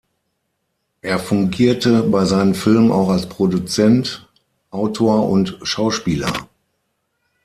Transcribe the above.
Er fungierte bei seinen Filmen auch als Produzent, Autor und Schauspieler.